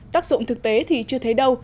tác dụng thực tế thì chưa thấy đâu